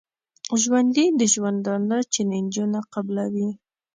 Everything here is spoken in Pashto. ژوندي د ژوندانه چیلنجونه قبلوي